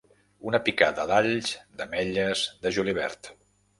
Una picada d'alls, d'ametlles, de julivert.